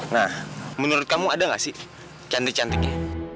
nah menurut kamu ada nggak sih cantik cantiknya